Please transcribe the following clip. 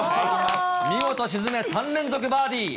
見事沈め、３連続バーディー。